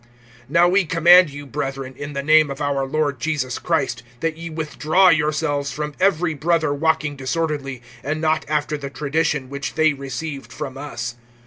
(6)Now we command you, brethren, in the name of our Lord Jesus Christ, that ye withdraw yourselves from every brother walking disorderly, and not after the tradition[3:6] which they received from us.